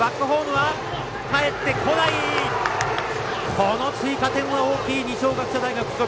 この追加点は大きい二松学舎大付属！